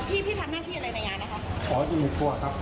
พี่พี่ทักหน้าที่อะไรในงานนะครับอ๋ออยู่ในครัวครับ